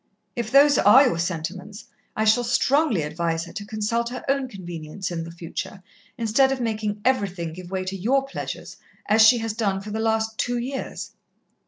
If those are your sentiments, I shall strongly advise her to consult her own convenience in the future, instead of making everything give way to your pleasures, as she has done for the last two years."